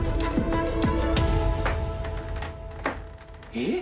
えっ？